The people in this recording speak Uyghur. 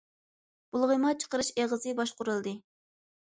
بۇلغىما چىقىرىش ئېغىزى باشقۇرۇلدى.